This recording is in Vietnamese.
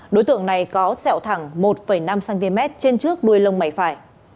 đối tượng này có sẹo thẳng một năm cm trên trước đuôi lông mày phải